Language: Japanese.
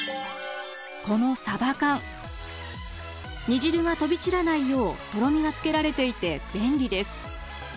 煮汁が飛び散らないようとろみがつけられていて便利です。